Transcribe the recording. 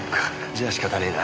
じゃあ仕方ねえな。